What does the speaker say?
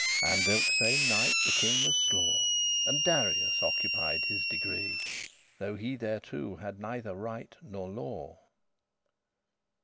And thilke same night this king was slaw* *slain And Darius occupied his degree, Though he thereto had neither right nor law.